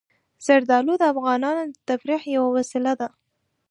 زردالو د افغانانو د تفریح یوه وسیله ده.